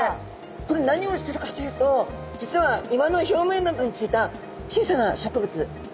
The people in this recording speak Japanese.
これ何をしてるかというと実は岩の表面などについた小さな植物ケイソウですね